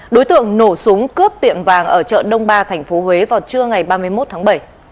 đối tượng nổ súng cướp tiệm vàng ở chợ đông ba tp huế vào trưa ngày ba mươi một tháng bảy